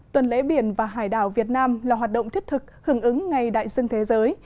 tuần lễ biển và hải đảo việt nam là hoạt động thiết thực hưởng ứng ngày đại dương thế giới